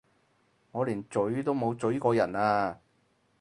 我連咀都冇咀過人啊！